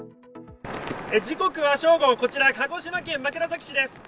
時刻は正午、こちら鹿児島県枕崎市です。